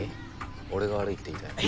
俺が悪いって言いたいの？